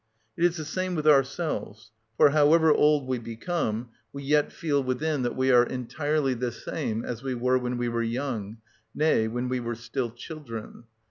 It is the same with ourselves, for, however old we become, we yet feel within that we are entirely the same as we were when we were young, nay, when we were still children.